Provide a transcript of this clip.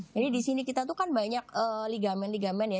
jadi di sini kita tuh kan banyak ligamen ligamen ya